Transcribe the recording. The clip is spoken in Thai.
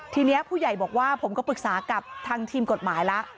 ทีนี้ผู้ใหญ่บอกว่าผมก็ปรึกษากับทางทีมกฎหมายแล้ว